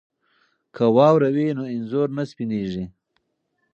که واوره وي نو انځور نه سپینیږي.